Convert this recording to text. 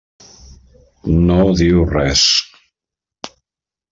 No diu res.